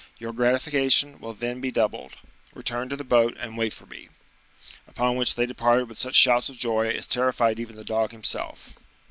Your gratification will then be doubled. Return to the boat and wait for me." Upon which they departed with such shouts of joy as terrified even the dog himself.